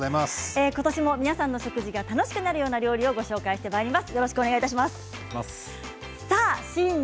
今年も皆さんの食事が楽しくなる料理をご紹介してまいります。